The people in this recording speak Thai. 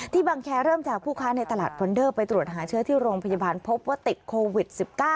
บังแคร์เริ่มจากผู้ค้าในตลาดฟอนเดอร์ไปตรวจหาเชื้อที่โรงพยาบาลพบว่าติดโควิด๑๙